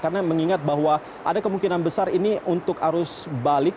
karena mengingat bahwa ada kemungkinan besar ini untuk arus balik